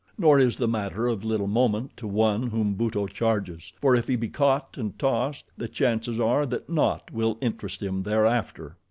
Nor is the matter of little moment to one whom Buto charges, for if he be caught and tossed, the chances are that naught will interest him thereafter.